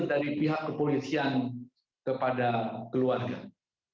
dari pihak kepolisian kepada keluarga